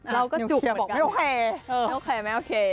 เราก็จุกเหมือนกันไม่โอเคไม่โอเค